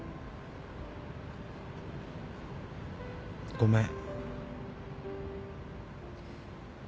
ごめん。